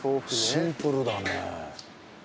シンプルだね。